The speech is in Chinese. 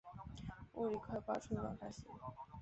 物理快报出版发行。